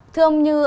thưa ông như